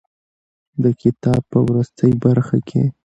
د کتاب په وروستۍ برخه کې.